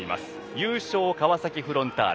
優勝、川崎フロンターレ。